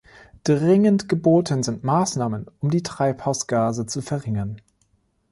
Dringend geboten sind Maßnahmen, um die Treibhausgase zu verringern.